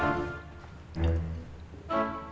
gak kecanduan hp